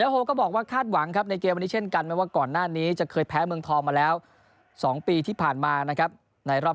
โฮก็บอกว่าคาดหวังในเกมว่าก่อนหน้านี้จะเคยแพ้เมืองทองมาแล้ว๒ปีที่ผ่านมานะครับ